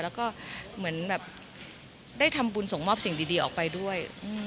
แล้วก็เหมือนแบบได้ทำบุญส่งมอบสิ่งดีออกไปด้วย